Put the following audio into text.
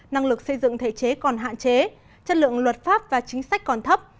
năng lực xây dựng thể chế còn hạn chế chất lượng luật pháp và chính sách còn thấp